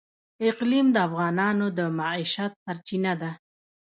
اقلیم د افغانانو د معیشت سرچینه ده.